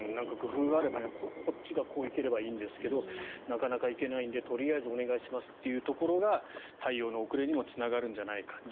工夫があれば、こっちがこう行ければいいんですがなかなか行けないのでとりあえずお願いしますというところが対応の遅れにもつながるんじゃないか。